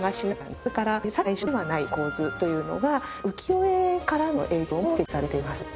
それから左右対称ではない構図というのが浮世絵からの影響も指摘されています。